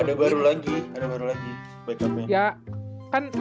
ada baru lagi ada baru lagi backupnya